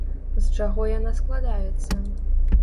З чаго яна складаецца?